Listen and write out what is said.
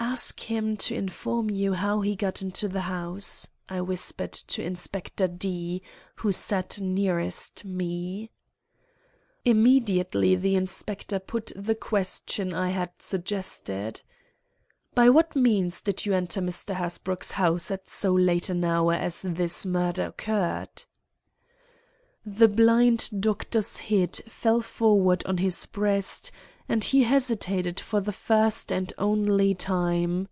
"Ask him to inform you how he got into the house," I whispered to Inspector D——, who sat nearest me. Immediately the Inspector put the question I had suggested: "By what means did you enter Mr. Hasbrouck's house at so late an hour as this murder occurred?" The blind doctor's head fell forward on his breast, and he hesitated for the first and only time.